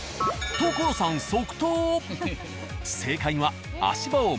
所さん即答！